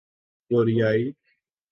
کوریائی